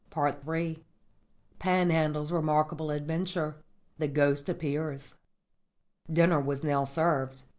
_" III PANHANDLE'S REMARKABLE ADVENTURE. THE GHOST APPEARS Dinner was now served.